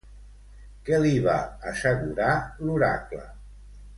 Què li va assegurar l'oracle?